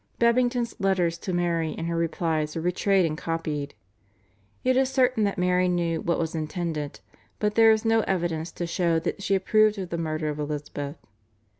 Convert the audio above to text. Babington's letters to Mary and her replies were betrayed and copied. It is certain that Mary knew what was intended, but there is no evidence to show that she approved of the murder of Elizabeth.